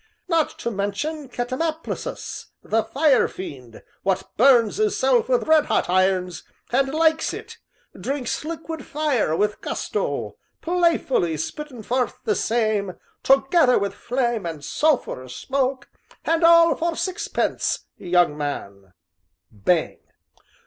"Not to mention Catamaplasus, the Fire Fiend, what burns hisself with red hot irons, and likes it, drinks liquid fire with gusto playfully spittin' forth the same, together with flame and sulphurous smoke, and all for sixpence [young man]." (Bang!)